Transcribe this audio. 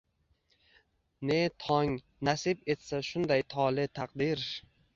Ne tong, nasib etsa shunday tole taqdir…